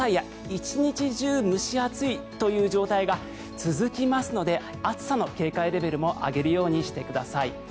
一日中蒸し暑いという状態が続きますので暑さの警戒レベルも上げるようにしてください。